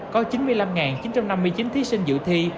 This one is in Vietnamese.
có chín mươi năm chín trăm năm mươi chín thí sinh dự thi